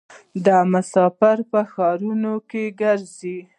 دا مسافر په ښارونو کې ګرځي.